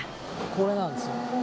これなんですよ。